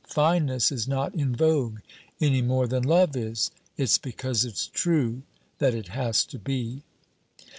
Fineness is not in vogue, any more than love is. It's because it's true that it has to be."